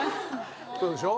そうでしょ？